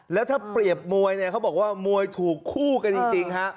แล้วถ้าเปรียบมวยเนี่ยเขาบอกว่ามวยถูกคู่กันจริงฮะ